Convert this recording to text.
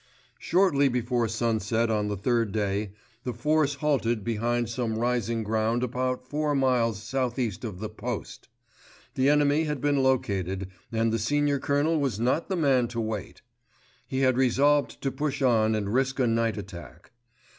Shortly before sunset on the third day, the force halted behind some rising ground about four miles south east of the "Post." The enemy had been located and the Senior Colonel was not the man to wait. He had resolved to push on and risk a night attack.